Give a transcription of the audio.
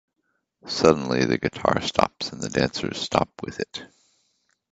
Suddenly the guitar stops and the dancers stop with it.